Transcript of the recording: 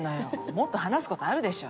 もっと話すことあるでしょ。